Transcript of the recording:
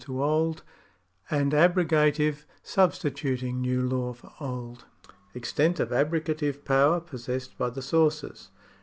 ,,.,,., j. ,,^ I Abrogative — substituting new law for old. Extent of abrogative power possessed by the sources.